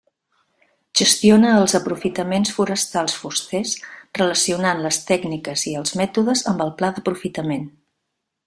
Gestiona els aprofitaments forestals fusters relacionant les tècniques i els mètodes amb el pla d'aprofitament.